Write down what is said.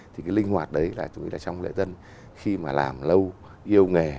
thì cái linh hoạt đấy là trong lễ dân khi mà làm lâu yêu nghề